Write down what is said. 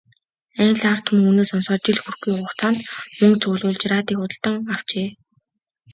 Америкийн ард түмэн үүнийг сонсоод жил хүрэхгүй хугацаанд мөнгө цуглуулж, радийг худалдан авчээ.